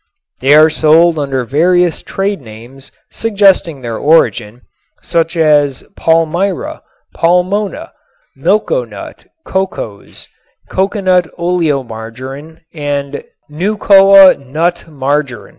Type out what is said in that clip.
They are sold under various trade names suggesting their origin, such as "palmira," "palmona," "milkonut," "cocose," "coconut oleomargarin" and "nucoa nut margarin."